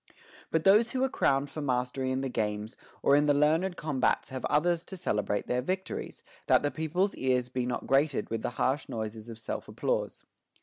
But those who are crowned for mastery in the games or in the learned combats have others to celebrate their vic tories, that the people's ears be not grated with the harsh noises of self applause.